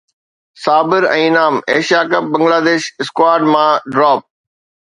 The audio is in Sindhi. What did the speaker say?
Sabir ۽ Inam Asia cup Bangladesh squad مان ڊراپ